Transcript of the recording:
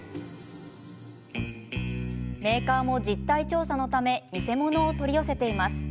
メーカーも実態調査のため偽物を取り寄せています。